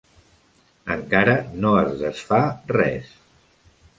Encara no es desfà res.